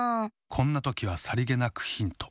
こんなときはさりげなくヒント。